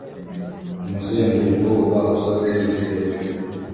umuzenguruko uba ukoze zero.